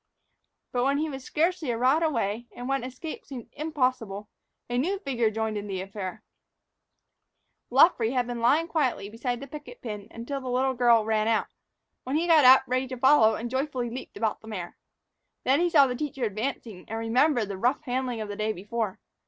But when he was scarcely a rod away, and when escape seemed impossible, a new figure joined in the affair. Luffree had been lying quietly beside the picket pin until the little girl ran out, when he got up, ready to follow her, and joyfully leaped about the mare. Then he saw the teacher advancing, and remembered the rough handling of the day before.